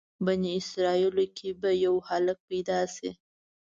بني اسرایلو کې به یو هلک پیدا شي.